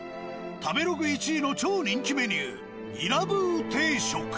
食べログ１位の超人気メニューイラブー定食。